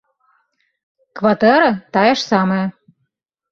Кватэра тая ж самая.